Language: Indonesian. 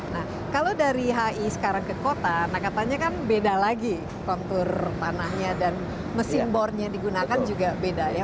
nah kalau dari hi sekarang ke kota nah katanya kan beda lagi kontur tanahnya dan mesin bornya digunakan juga beda ya